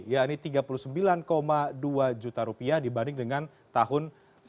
ya ini rp tiga puluh sembilan dua juta dibanding dengan tahun dua ribu empat belas